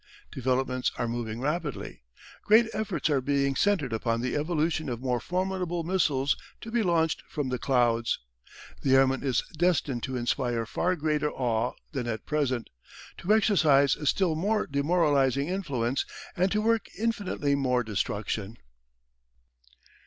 Developments are moving rapidly. Great efforts are being centred upon the evolution of more formidable missiles to be launched from the clouds. The airman is destined to inspire far greater awe than at present, to exercise a still more demoralising influence, and to work infinitely more destruction.